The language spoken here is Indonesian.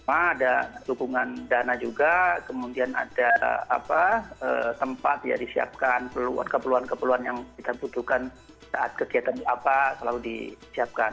ada dukungan dana juga kemudian ada tempat ya disiapkan keperluan keperluan yang kita butuhkan saat kegiatan apa selalu disiapkan